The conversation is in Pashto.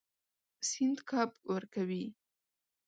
سیند کب ورکوي.